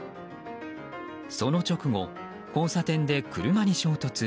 その直後、交差点で車に衝突。